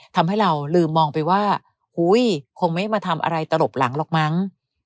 ทำให้เราลืมมองไปว่าคงไม่มาทำอะไรตลบหลังหรอกมั้ง